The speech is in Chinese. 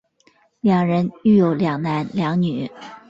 两人育有两男两女。